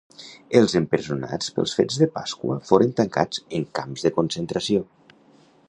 Els empresonats pels fets de Pasqua foren tancats en camps de concentració.